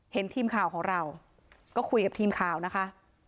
เห็นทีมข่าวของเราก็คุยกับทีมข่าวนะคะ